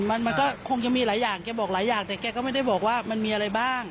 มันมันก็คงจะมีหลายอย่างแกบอกหลายอย่างแต่แกก็ไม่ได้บอกว่ามันมีอะไรบ้าง